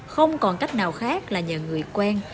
không còn cách nào khác là nhờ người quen